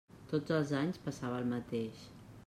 Tots els anys passava el mateix.